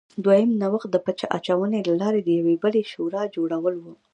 دویم نوښت د پچه اچونې له لارې د یوې بلې شورا جوړول و